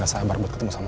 sekolah kita akan himbar